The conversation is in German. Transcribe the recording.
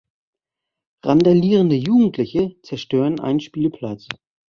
Randalierende Jugendliche zerstören einen Spielplatz.